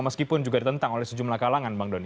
meskipun juga ditentang oleh sejumlah kalangan bang doni